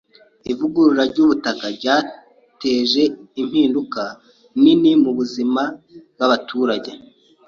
Ivugurura ryubutaka ryateje impinduka nini mubuzima bwabaturage.